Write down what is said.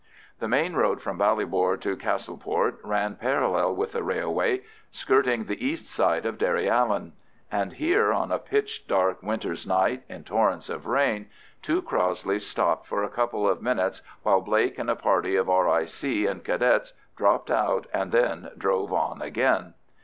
The main road from Ballybor to Castleport ran parallel with the railway, skirting the east side of Derryallen; and here, on a pitch dark winter's night, in torrents of rain, two Crossleys stopped for a couple of minutes while Blake and a party of R.I.C. and Cadets dropped out, and then drove on again.